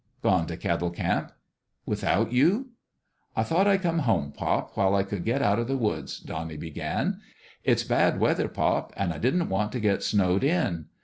" Gone to Kettle Camp." " Without you !"" I thought I'd come home, pop, while I could 288 FATHER AND SON get out of the woods," Donnie began. " It's bad weather, pop, and I didn't want to get snowed in.